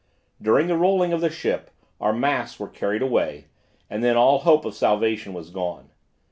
During the rolling of the ship, our masts were carried away, and then all hope of salvation was gone.